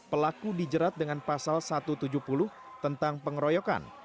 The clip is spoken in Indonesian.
pelaku dijerat dengan pasal satu ratus tujuh puluh tentang pengeroyokan